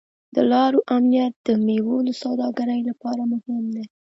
د لارو امنیت د میوو د سوداګرۍ لپاره مهم دی.